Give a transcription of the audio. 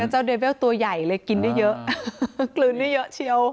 เจ้าเดเวลตัวใหญ่เลยกินได้เยอะกลืนได้เยอะเชียว